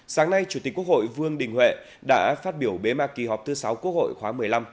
sáng nay chủ tịch quốc hội vương đình huệ đã phát biểu bế mạc kỳ họp thứ sáu quốc hội khóa một mươi năm